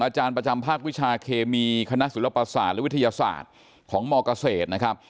อาจารย์ประจำภาควิชาเคมีคณะศิลปศาสตร์และวิทยาศาสตร์ของมเกษตรนะครับ